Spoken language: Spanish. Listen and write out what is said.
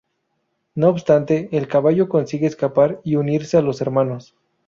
No obstante, el caballo consigue escapar y unirse a los hermanos.